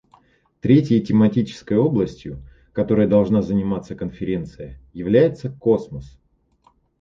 Третьей тематической областью, которой должна заниматься Конференция, является космос.